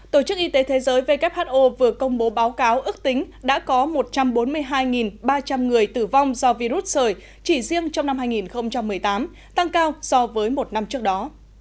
tổ chức y tế thế giới who vừa công bố báo cáo ước tính đã có một trăm bốn mươi hai ba trăm linh người tử vong do virus sởi chỉ riêng trong năm hai nghìn một mươi tám tăng cao so với một năm trước đó